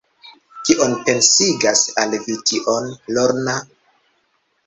Kio pensigas al vi tion, Lorna?